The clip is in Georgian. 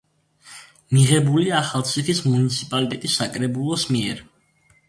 მიღებულია ახალციხის მუნიციპალიტეტის საკრებულოს მიერ.